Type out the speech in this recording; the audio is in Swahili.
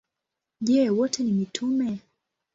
Je, wote ni mitume?